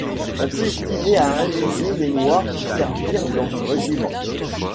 On peut estimer à un millier les noirs qui servirent dans ce régiment.